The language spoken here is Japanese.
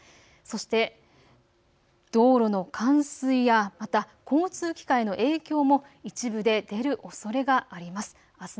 そして道路の冠水や、また交通機関への影響も一部で出るおそれがあります。